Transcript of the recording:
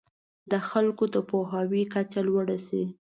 د خلکو د پوهاوي کچه لوړه شي.